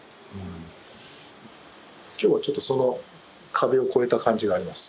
今日はちょっとその壁をこえた感じがあります。